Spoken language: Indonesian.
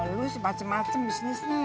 lu semacam macam bisnisnya